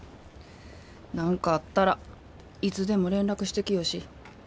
何かあったらいつでも連絡してきよし。